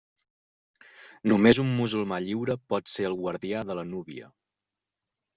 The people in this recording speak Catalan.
Només un musulmà lliure pot ser el guardià de la núvia.